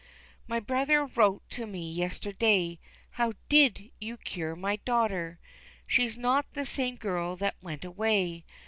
My brother wrote to me yesterday, "How did you cure my daughter, She's not the same girl that went away."